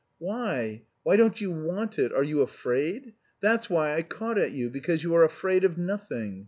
"Why, why don't you want it? Are you afraid? That's why I caught at you, because you are afraid of nothing.